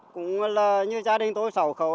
cũng là như gia đình tôi sảo khẩu